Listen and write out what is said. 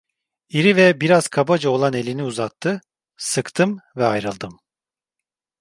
İri ve biraz kabaca olan elini uzattı, sıktım ve ayrıldım.